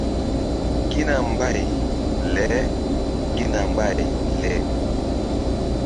Gina mbay leGina mbay le.